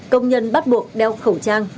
công nhân bắt buộc đeo khẩu trang